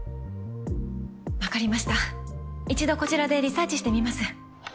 わかりました１度こちらでリサーチしてみます。